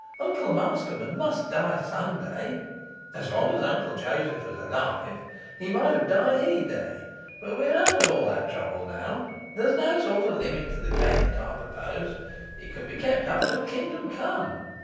Uncle Masterman must die some day; as long as Uncle Joseph was alive, he might have died any day; but we're out of all that trouble now: there's no sort of limit to the game that I propose it can be kept up till Kingdom Come.